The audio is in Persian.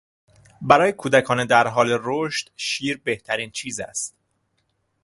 برای کودکان در حال رشد شیر بهترین چیز است.